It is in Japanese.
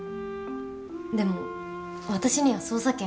でも私には捜査権が。